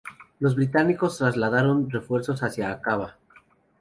Los británicos trasladaron refuerzos hacia Aqaba.